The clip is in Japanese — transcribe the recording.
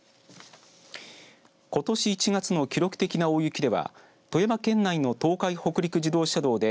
ことし１月の記録的な大雪では富山県内の東海北陸自動車道で